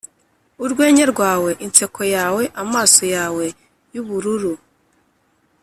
urwenya rwawe, inseko yawe, amaso yawe yubururu,